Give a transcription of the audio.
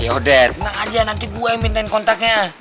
yaudah enak aja nanti gue yang minta kontaknya